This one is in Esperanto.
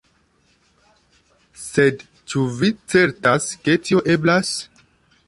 Sed ĉu vi certas ke tio eblas?